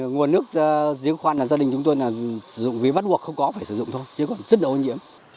nguồn nước giếng khoan là gia đình chúng tôi là dùng vì bắt buộc không có phải sử dụng thôi chứ còn rất là ô nhiễm